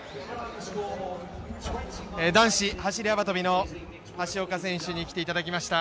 男子走幅跳の橋岡選手に来ていただきました。